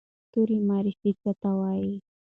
توري مورفي څه ته وایي؟